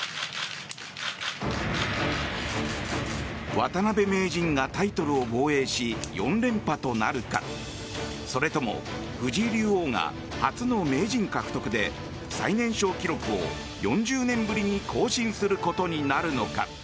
渡辺名人がタイトルを防衛し４連覇となるかそれとも藤井竜王が初の名人獲得で最年少記録を４０年ぶりに更新することになるのか。